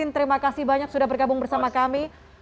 terima kasih banyak sudah bergabung bersama kami